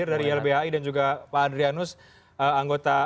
di mana saja